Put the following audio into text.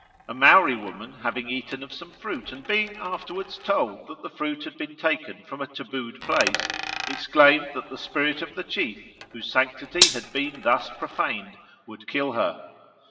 A Maori woman having eaten of some fruit, and being afterwards told that the fruit had been taken from a tabooed place, exclaimed that the spirit of the chief, whose sanctity had been thus profaned, would kill her.